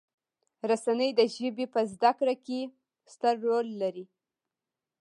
رسنۍ د ژبې په زده کړې کې ستر رول لري.